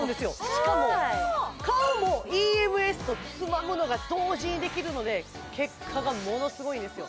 しかも顔もＥＭＳとつまむのが同時にできるので結果がものすごいんですよ